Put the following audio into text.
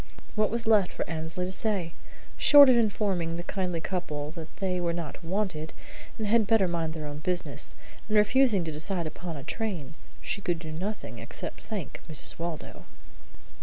What was left for Annesley to say? Short of informing the kindly couple that they were not wanted and had better mind their own business, and refusing to decide upon a train, she could do nothing except thank Mrs. Waldo.